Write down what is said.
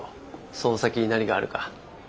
その先に何があるか。